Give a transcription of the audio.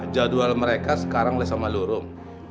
jadwal mereka sekarang lesa malurum